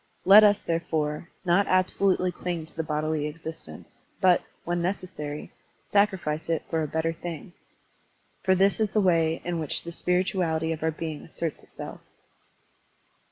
Let us, therefore, not absolutely cUng to the bodily existence, but, when necessary, sacrifice it for a better thing. For this is the way in which the spirituality of our being asserts itself.